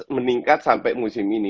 meningkat sampai musim ini